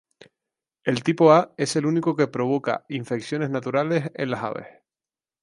El tipo A es el único que provoca infecciones naturales en las aves.